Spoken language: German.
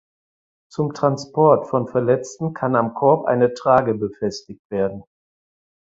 Zum Transport von Verletzten kann am Korb eine Trage befestigt werden.